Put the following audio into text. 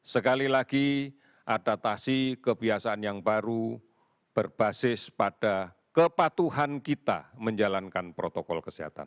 sekali lagi adaptasi kebiasaan yang baru berbasis pada kepatuhan kita menjalankan protokol kesehatan